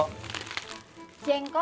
emang ada jengkol